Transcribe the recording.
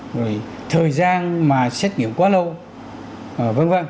rồi thời gian mà xét nghiệm quá lâu v v